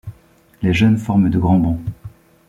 Les jeunes forment de grands bancs.